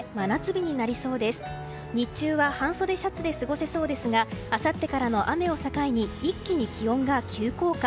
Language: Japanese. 日中は半袖シャツで過ごせそうですがあさってからの雨を境に一気に気温が急降下。